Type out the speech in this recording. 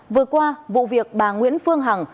vừa qua vụ việc bà nguyễn phương hằng